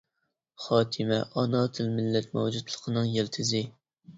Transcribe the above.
خاتىمە ئانا تىل مىللەت مەۋجۇتلۇقىنىڭ يىلتىزى.